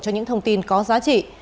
cho những thông tin có giá trị